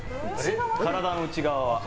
体の内側は。